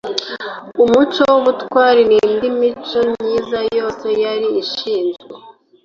umuco w'ubutwari, n'indiimico myiza yose yari ashinzwe